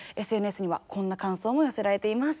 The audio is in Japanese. ＳＮＳにはこんな感想も寄せられています。